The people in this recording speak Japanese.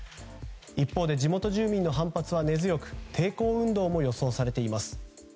一方で地元住民の反発は根強く抵抗運動も予想されています。